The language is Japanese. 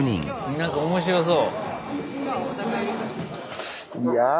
なんか面白そう。